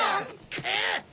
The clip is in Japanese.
くっ。